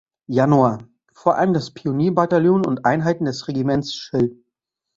Januar“, vor allem das Pionier-Bataillon und Einheiten des Regiments „Schill“.